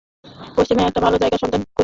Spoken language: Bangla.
পশ্চিমে একটা ভালো জায়গার সন্ধান করিতেছি।